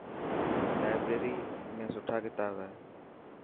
لائبريري ۾ سٺا ڪتاب هي.